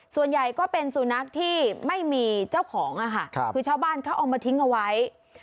ส่วนใหญ่ก็เป็นสุนัขที่ไม่มีเจ้าของค่ะคือชาวบ้านเขาเอามาทิ้งเอาไว้